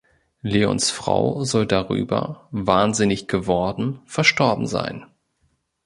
Leons Frau soll darüber, wahnsinnig geworden, verstorben sein.